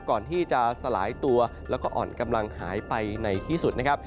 ก่อนที่จะสลายตัวแล้วก็อ่อนกำลังหายไปในที่สุดนะครับ